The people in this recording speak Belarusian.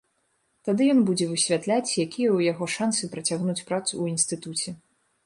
Тады ён будзе высвятляць, якія ў яго шансы працягваць працу ў інстытуце.